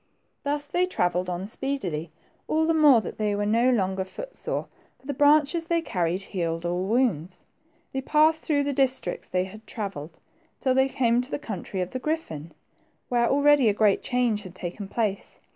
Thus they travelled on speedily, all the more that they were no longer foot sore, for the branches they carried healed all wounds. They passed through the districts they had travelled till they came to the country of the griffin, where already a great change had taken place.